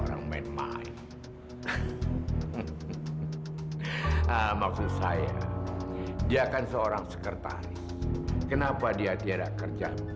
sampai jumpa di video selanjutnya